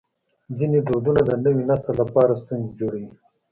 ځینې دودونه د نوي نسل لپاره ستونزې جوړوي.